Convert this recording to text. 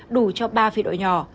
đủ cho ba phi đội nhỏ